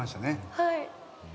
はい。